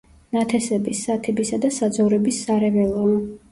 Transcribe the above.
ნათესების, სათიბისა და საძოვრის სარეველაა.